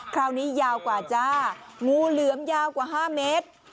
คราวนี้ยาวกว่าจ้างูเหลือมยาวกว่า๕เมตร